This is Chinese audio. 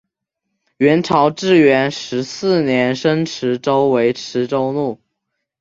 元朝至元十四年升池州为池州路。